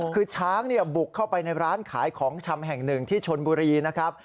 คือช้างบุกเข้าไปในร้านขายของชำแห่งหนึ่งที่ชนบุรีนะครับ